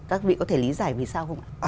các vị có thể lý giải vì sao không ạ